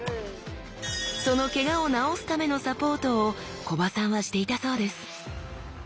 そのケガを治すためのサポートを木場さんはしていたそうです